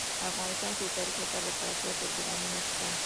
افغانستان کې د تاریخ لپاره دپرمختیا پروګرامونه شته.